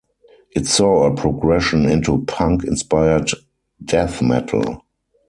It saw a progression into punk-inspired death metal.